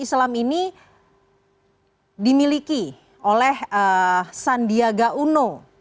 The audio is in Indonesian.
islam ini dimiliki oleh sandiaga uno